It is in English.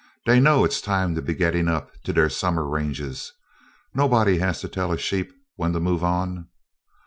Dey know it's time to be gettin' up to deir summer range; nobody has to tell a sheep when to move on."